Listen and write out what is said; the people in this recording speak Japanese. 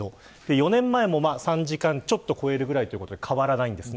４年前も３時間ちょっと超えるくらいということで変わらないんです。